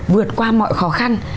vượt qua mọi khó khăn